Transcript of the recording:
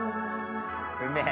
うめえ。